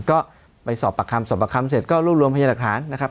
ก็ไปสอบปากคำสอบประคำเสร็จก็รวบรวมพยาหลักฐานนะครับ